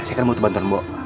saya kan mau terbantuan mbak